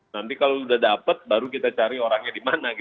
nanti kalau udah dapat baru kita cari orangnya dimana